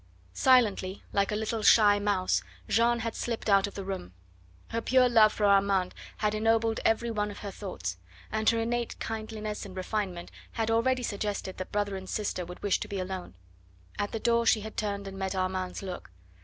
Silently, like a little shy mouse, Jeanne had slipped out of the room. Her pure love for Armand had ennobled every one of her thoughts, and her innate kindliness and refinement had already suggested that brother and sister would wish to be alone. At the door she had turned and met Armand's look.